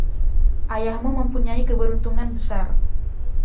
Ayahmu mempunyai keberuntungan besar.